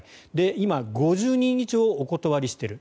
今、５０人以上お断りしている。